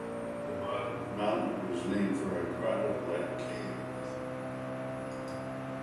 The mountain was named for a grotto-like cave with it.